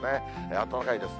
暖かいです。